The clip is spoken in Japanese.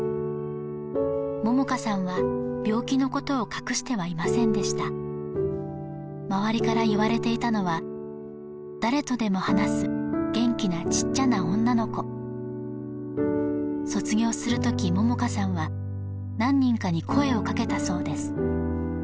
萌々花さんは病気のことを隠してはいませんでした周りから言われていたのは誰とでも話す元気なちっちゃな女の子卒業する時萌々花さんは何人かに声をかけたそうです